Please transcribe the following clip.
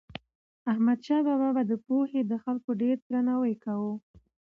احمدشاه بابا به د پوهې د خلکو ډېر درناوی کاوه.